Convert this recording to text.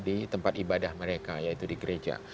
di tempat ibadah mereka yaitu di gereja